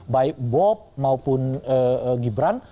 baik bob maupun gibran